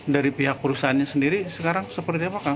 dari pihak perusahaannya sendiri sekarang seperti apa kang